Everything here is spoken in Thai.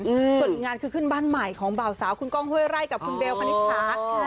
ส่วนอีกงานคือขึ้นบ้านใหม่ของบ่าวสาวคุณก้องห้วยไร่กับคุณเบลคณิตหา